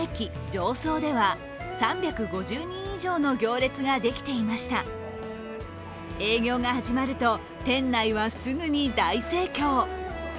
常総では３５０人以上の行列ができていました営業が始まると店内はすぐに大盛況。